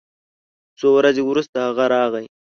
څو ورځې وروسته هغه راغی